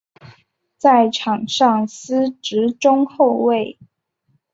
在场上司职中后卫。